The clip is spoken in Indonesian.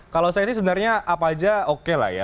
kalau saya sih sebenarnya apa aja oke lah ya